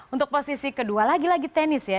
untuk posisi kedua lagi lagi tenis ya